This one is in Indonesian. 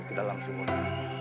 di dalam sumur ini